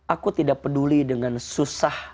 aku tidak peduli dengan susah